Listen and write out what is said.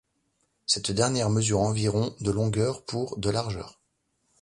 Cette dernière mesure environ de longueur pour de largeur.